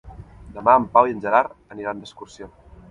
Demà en Pau i en Gerard aniran d'excursió.